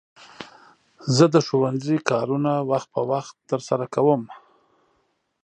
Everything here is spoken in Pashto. زه د ښوونځي کارونه وخت په وخت ترسره کوم.